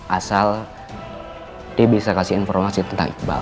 asal dia bisa kasih informasi tentang iqbal